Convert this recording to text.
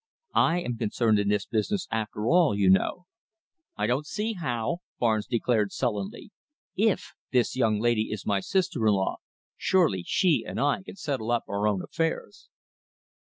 I am concerned in this business after all, you know." "I don't see how," Barnes declared sullenly. "If this young lady is my sister in law, surely she and I can settle up our own affairs."